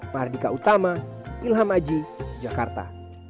mahardika utama ilham aji jakarta